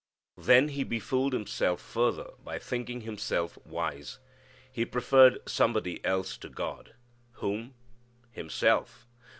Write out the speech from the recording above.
Then he befooled himself further by thinking himself wise. He preferred somebody else to God. Whom? Himself!